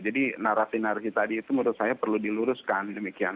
jadi narasi narasi tadi itu menurut saya perlu diluruskan demikian